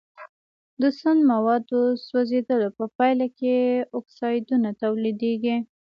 د سون موادو سوځیدلو په پایله کې اکسایدونه تولیدیږي.